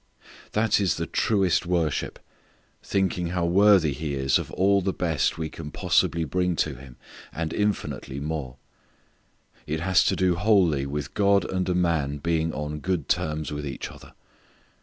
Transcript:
That is the truest worship, thinking how worthy He is of all the best we can possibly bring to Him, and infinitely more. It has to do wholly with God and a man being on good terms with each other.